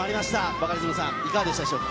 バカリズムさん、いかがでしたでしょうか。